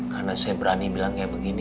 karena saya berani bilang kayak begini